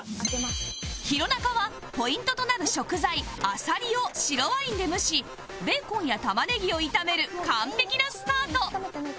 弘中はポイントとなる食材あさりを白ワインで蒸しベーコンや玉ねぎを炒める完璧なスタート